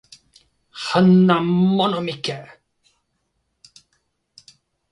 Hen na Mono Mikke!